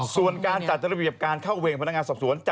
ส่วนการจัดระเบียบการเข้าเวรพนักงานสอบสวน